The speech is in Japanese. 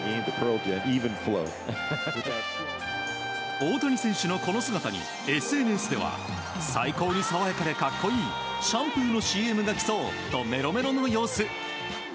大谷選手の、この姿にＳＮＳでは最高に爽やかで格好いいシャンプーのＣＭが来そうとメロメロの様子。